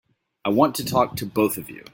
I want to talk to both of you.